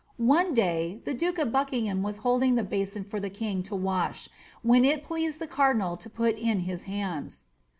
One day, the duke of Buckingham was holding the basin for the king to wash, whien it pleased the cardinal to put in his hands.